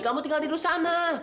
kamu tinggal tidur sana